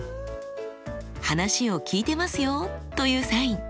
「話を聞いてますよ」というサイン。